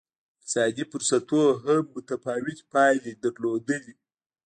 د اقتصادي فرصتونو هم متفاوتې پایلې لرلې.